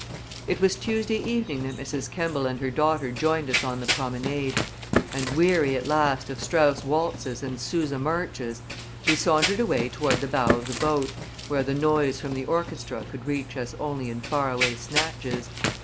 It was Tuesday evening that Mrs. Kemball and her daughter joined us on the promenade, and weary, at last, of Strauss waltzes and Sousa marches, we sauntered away toward the bow of the boat, where the noise from the orchestra could reach us only in far away snatches.